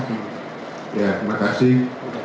ya terima kasih